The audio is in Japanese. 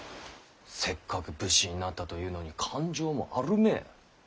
せっかく武士になったというのに勘定もあるめぇ。